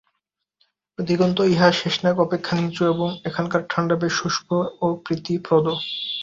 অধিকন্তু ইহা শেষনাগ অপেক্ষা নীচু এবং এখানকার ঠাণ্ডা বেশ শুষ্ক ও প্রীতিপ্রদ।